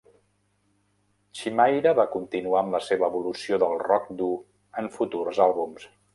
Chimaira va continuar amb la seva evolució del rock dur en futurs àlbums.